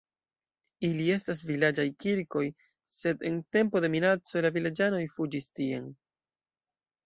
Ili estas vilaĝaj kirkoj, sed en tempo de minaco la vilaĝanoj fuĝis tien.